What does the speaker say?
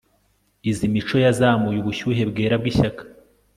Izi mico yazamuye ubushyuhe bwera bwishyaka